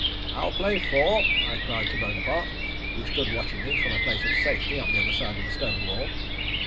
'I'll play four,' I cried to Bonaparte, who stood watching me from a place of safety on the other side of the stone wall.